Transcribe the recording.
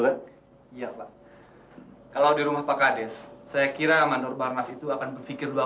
kan iya pak kalau di rumah pak kades saya kira mandor barmas itu akan berpikir dua